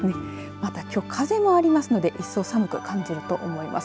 また、きょう風もありますので一層、寒く感じると思います。